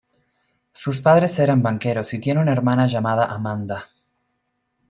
Sus padres eran banqueros y tiene una hermana llamada Amanda.